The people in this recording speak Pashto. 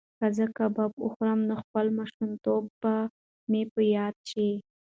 که زه کباب وخورم نو خپل ماشومتوب به مې په یاد شي.